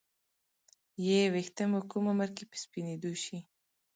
ې ویښته مو کوم عمر کې په سپینیدو شي